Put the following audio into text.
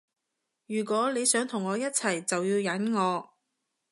如果你想同我一齊就要忍我